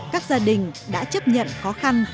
các gia đình đã chấp nhận khó khăn